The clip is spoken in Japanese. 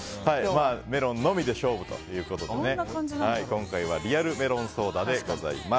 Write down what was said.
メロンのみで勝負ということで今回はリアルメロンソーダでございます。